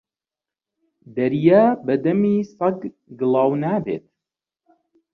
دەریا بە دەمی سەگ گڵاو نابێت